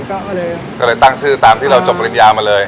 ก็เลยก็เลยตั้งชื่อตามที่เราจบปริญญามาเลย